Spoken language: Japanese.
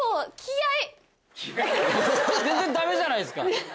全然ダメじゃないですか！